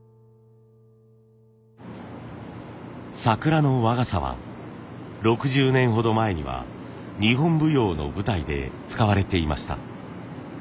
桜の和傘は６０年ほど前には日本舞踊の舞台で使われていました。